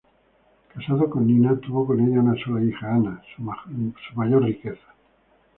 Casado con Nina, tuvo con ella una sola hija, Ana, su mayor riqueza.